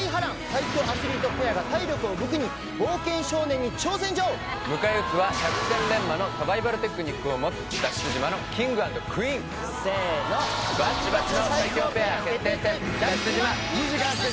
最強アスリートペアが体力を武器に「冒険少年」に挑戦状迎え撃つは百戦錬磨のサバイバルテクニックを持つ脱出島のキング＆クイーンせーのシュッ